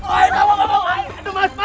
aduh mas mas